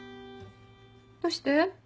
どうして？